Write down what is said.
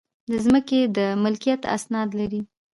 د ځمکې د ملکیت اسناد لرئ؟